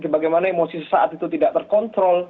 bagaimana emosi sesaat itu tidak terkontrol